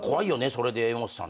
それで柄本さんって。